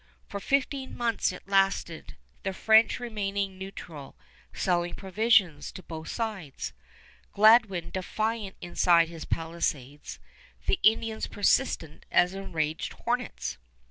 For fifteen months it lasted, the French remaining neutral, selling provisions to both sides, Gladwin defiant inside his palisades, the Indians persistent as enraged hornets.